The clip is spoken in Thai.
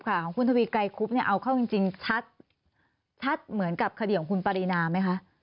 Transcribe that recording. ของคุณทวีไกรคุพเอาเขาจริงชัดเหมือนกับข้าเดียของคุณปริณาไหมคะ